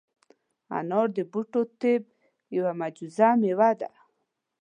انار د بوټو طب یوه معجزه مېوه ده.